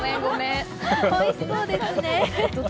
おいしそうですね。